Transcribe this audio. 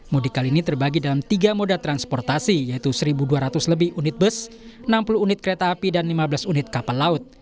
mudik kali ini terbagi dalam tiga moda transportasi yaitu satu dua ratus lebih unit bus enam puluh unit kereta api dan lima belas unit kapal laut